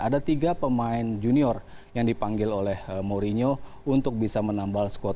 ada tiga pemain junior yang dipanggil oleh mourinho untuk bisa menambal squad